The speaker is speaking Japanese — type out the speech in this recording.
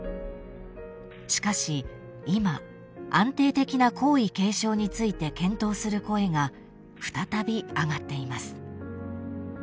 ［しかし今安定的な皇位継承について検討する声が再び上がっています］